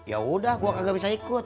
yaudah gue kagak bisa ikut